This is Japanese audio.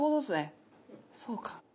そうか。